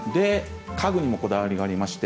家具にもこだわりがあります。